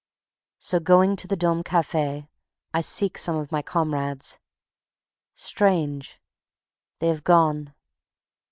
So, going to the Dôme Cafe, I seek some of my comrades. Strange! They have gone.